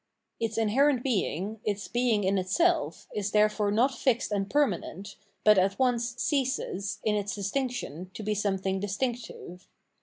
Its inherent being, its being in itself, is therefore not fixed and permanent, but at once ceases, in its distinction, to be something distinctive.